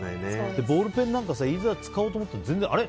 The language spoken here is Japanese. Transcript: ボールペンなんかいざ使おうと思うとあれ？